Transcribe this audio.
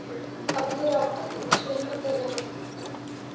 اپنے رابطوں کی خوش فہمی کررہا ہوں